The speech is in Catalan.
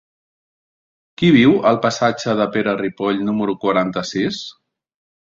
Qui viu al passatge de Pere Ripoll número quaranta-sis?